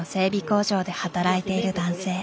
工場で働いている男性。